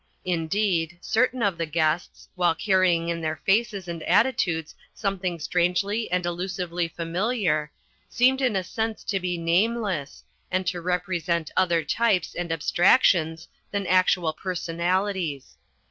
Indeed, certain of the guests, while carrying in their faces and attitudes something strangely and elusively familiar, seemed in a sense to be nameless, and to represent rather types and abstractions than actual personalities.